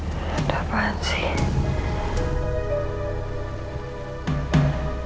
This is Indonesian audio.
sajari mungkin yang telponnya